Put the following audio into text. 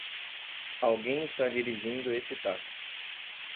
Alguém está dirigindo esse táxi.